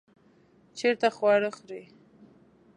چیرته خواړه خورئ؟